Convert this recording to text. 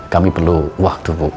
kami perlu waktu bu